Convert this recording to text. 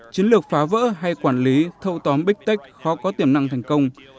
chiến lược phá vỡ hay quản lý thâu tóm big tech khó có tiềm năng thành công